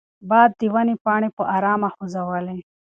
باد د ونې پاڼې په ارامه خوځولې.